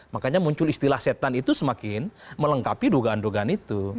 makanya muncul istilah setan itu semakin melengkapi dugaan dugaan itu